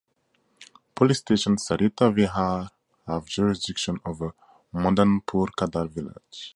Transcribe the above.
Police Station Sarita Vihar Have jurisdiction over Madanpur Khadar Village.